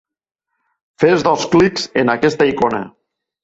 Fes dos clics en aquesta icona.